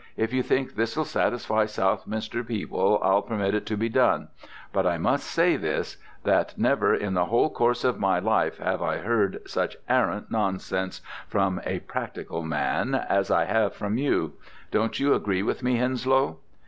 If you think this'll satisfy Southminster people, I'll permit it to be done; but I must say this, that never in the whole course of my life have I heard such arrant nonsense from a practical man as I have from you. Don't you agree with me, Henslow?'